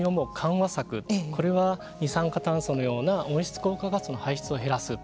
これは二酸化炭素のような温室効果ガスの排出を減らす。